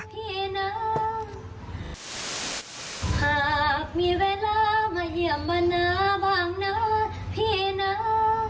พี่น้ำหากมีเวลามาเหยียบบรรณาบ้างนะ